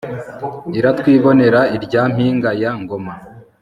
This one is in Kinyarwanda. iratwibonera ilya mpinga ya Ngoma